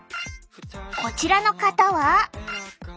こちらの方は。